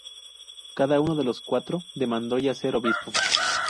Cada uno de los cuatro demandó ya ser obispo.